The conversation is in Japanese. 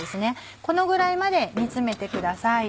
このぐらいまで煮詰めてください。